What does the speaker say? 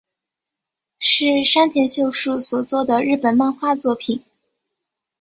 是山田秀树所作的日本漫画作品。